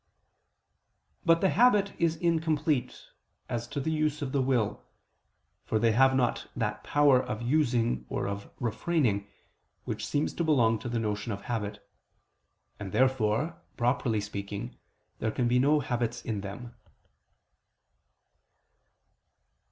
But the habit is incomplete, as to the use of the will, for they have not that power of using or of refraining, which seems to belong to the notion of habit: and therefore, properly speaking, there can be no habits in them.